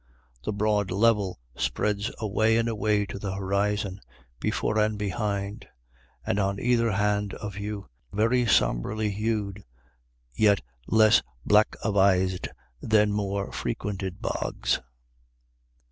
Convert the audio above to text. The broad level spreads away and away to the horizon, before and behind, and on either hand of you, very sombrely hued, yet less black avised than more frequented bogs.